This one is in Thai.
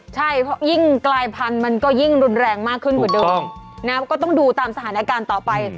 ใช่เพราะยิ่งกลายพันธุ์มันก็ยิ่งรุนแรงมากขึ้นกว่าเดิมก็ต้องดูตามสถานการณ์ต่อไป